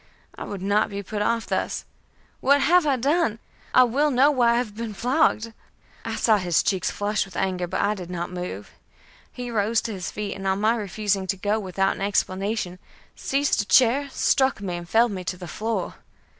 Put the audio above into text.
I would not be put off thus. "What have I done? I will know why I have been flogged." I saw his cheeks flush with anger, but I did not move. He rose to his feet, and on my refusing to go without an explanation, seized a chair, struck me, and felled me to the floor.